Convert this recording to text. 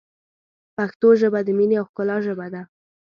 پښتو ژبه ، د مینې او ښکلا ژبه ده.